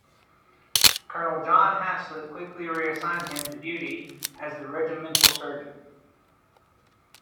Colonel John Haslet quickly reassigned him to duty as the regimental surgeon.